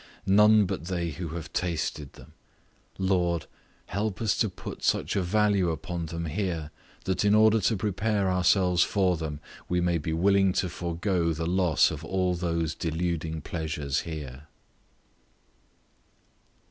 None but they who have tasted of them. Lord, help us to put such a value upon them here, that in order to prepare ourselves for them, we may be willing to forego the loss of all those deluding pleasures here.